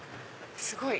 すごい！